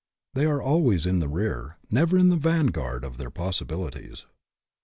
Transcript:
They are always in the rear never in the vanguard of their possibilities.